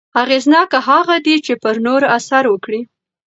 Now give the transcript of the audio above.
اغېزناک هغه دی چې پر نورو اثر وکړي.